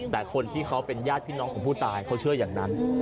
แต่คนที่เขาเป็นญาติพี่น้องของผู้ตายเขาเชื่ออย่างนั้น